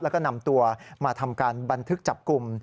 แล้วก็นำตัวมาทำการบันทึกจับกลุ่ม